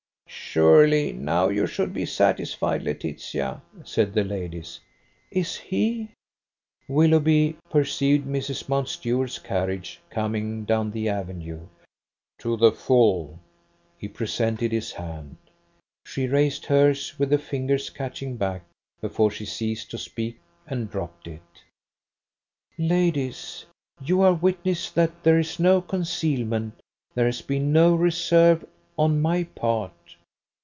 "Surely now you should be satisfied, Laetitia?" said the ladies. "Is he?" Willoughby perceived Mrs. Mountstuart's carriage coming down the avenue. "To the full." He presented his hand. She raised hers with the fingers catching back before she ceased to speak and dropped it: "Ladies. You are witnesses that there is no concealment, there has been no reserve, on my part.